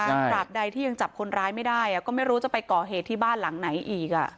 ตราบใดที่ยังจับคนร้ายไม่ได้ก็ไม่รู้จะไปก่อเหตุที่บ้านหลังไหนอีกอ่ะ